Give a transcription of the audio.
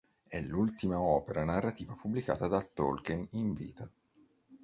È l'ultima opera narrativa pubblicata da Tolkien in vita.